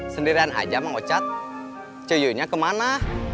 sendirian aja mengocat cuyunya kemana